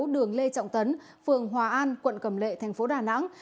đường lê trọng tấn phường hòa an quận cầm lệ thành phố đà nẵng